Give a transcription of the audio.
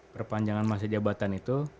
perpanjangan masa jabatan itu